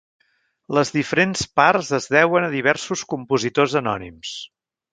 Les diferents parts es deuen a diversos compositors anònims.